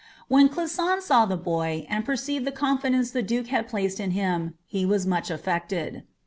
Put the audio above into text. When Clisson saw the boy, and per c«iv«d the confidence the duke had placed in htm, he was much aflected.